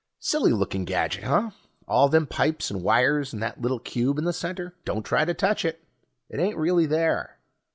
Silly looking gadget, huh? All them pipes and wires and that little cube in the center ... don't try to touch it, it ain't really there.